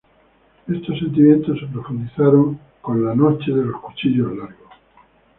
Estos sentimientos se profundizaron con la Noche de los cuchillos largos.